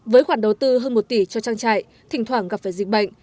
với khoản đầu tư hơn một tỷ cho trang trại thỉnh thoảng gặp phải dịch bệnh